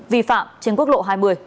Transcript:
vi phạm trên quốc lộ hai mươi